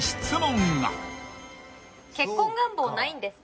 「結婚願望ないんですか？」